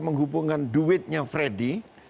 menghubungkan duitnya freddy